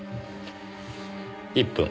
１分。